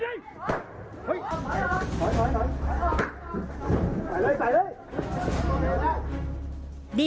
เฮ้ยสิงเลยใส่เข้าไปเลย